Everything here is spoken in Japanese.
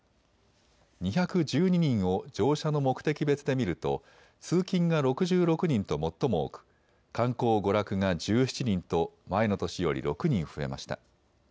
２１２人を乗車の目的別で見ると通勤が６６人と最も多く観光・娯楽が１７人と前の年より６人増えました。